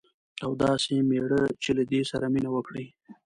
او داسي میړه چې له دې سره مینه وکړي